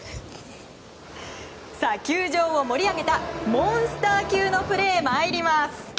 球場を盛り上げたモンスター級のプレー参ります。